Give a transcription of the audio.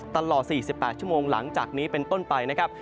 ตลอด๔๘ชั่วโมงหลังจากนี้เป็นต้นไปนะครับ